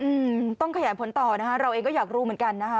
อืมต้องขยายผลต่อนะคะเราเองก็อยากรู้เหมือนกันนะคะ